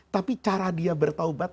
tapi cara dia bertaubat